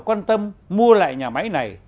quan tâm mua lại nhà máy này